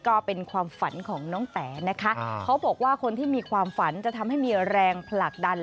ก็เป็นความฝันของน้องแต๋นะคะเขาบอกว่าคนที่มีความฝันจะทำให้มีแรงผลักดัน